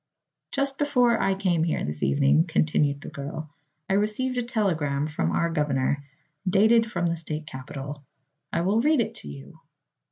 "Just before I came here this evening," continued the girl, "I received a telegram from our governor, dated from the state capital. I will read it to you."